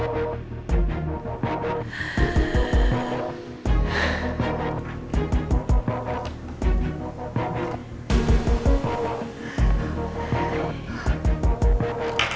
rai gak tante